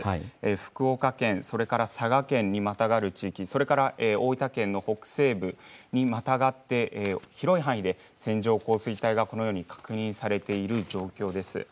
福岡県、それから佐賀県にまたがる地域、それから大分県の北西部にまたがって広い範囲で線状降水帯がこのように確認されている状況です。